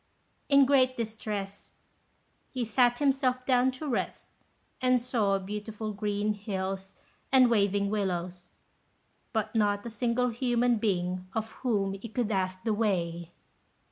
In great distress, he sat himself down to rest, and saw beautiful green hills and waving willows, but not a single human being of whom he could ask the way.